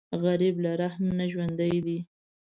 غریب له رحم نه ژوندی دی